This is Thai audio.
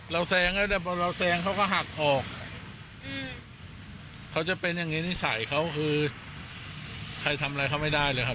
แซงแล้วแต่พอเราแซงเขาก็หักออกเขาจะเป็นอย่างนี้นิสัยเขาคือใครทำอะไรเขาไม่ได้เลยครับ